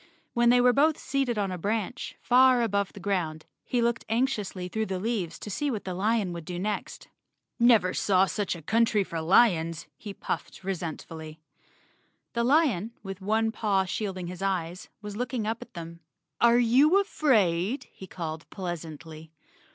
When they were both seated on a branch, far above the ground, he looked anxiously through the leaves to see what the lion would do next. "Never saw such a country for lions!" he puffed re¬ sentfully. The lion, with one paw shading his eyes, was looking up at them. "Are you afraid?" he called pleasantly.